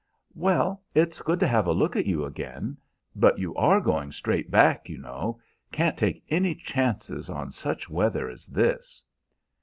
"Well, it's good to have a look at you again. But you are going straight back, you know. Can't take any chances on such weather as this."